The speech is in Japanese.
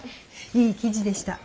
いい記事でした。